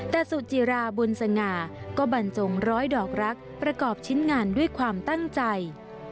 แต่สุจิราบุญสง่าก็บรรจงร้อยดอกรักประกอบชิ้นงานด้วยความตั้งใจ